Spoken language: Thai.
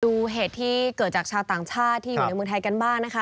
ดูเหตุที่เกิดจากชาวต่างชาติที่อยู่ในเมืองไทยกันบ้างนะคะ